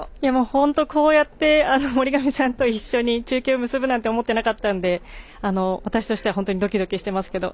本当こうやって森上さんと一緒に中継を結ぶなんて思っていなかったので私としては本当にドキドキとしていますけど。